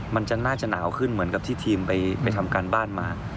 มันจะน่าจะหนาวขึ้นเหมือนกับที่ทีมไปทำการบ้านมา